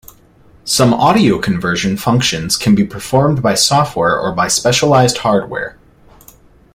Some audio conversion functions can be performed by software or by specialized hardware.